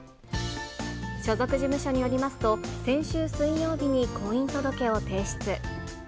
所属事務所によりますと、先週水曜日に婚姻届を提出。